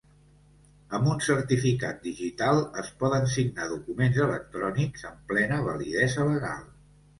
Amb un certificat digital es poden signar documents electrònics amb plena validesa legal.